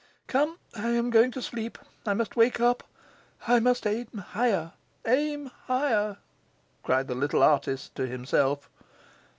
Come, I am going to sleep, I must wake up, I must aim higher aim higher,' cried the little artist to himself.